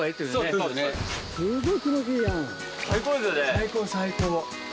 最高最高。